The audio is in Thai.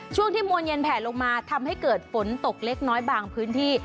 ช่วงที่มวลเย็นแผลลงมาทำให้เกิดฝนตกเล็กน้อยบางพื้นที่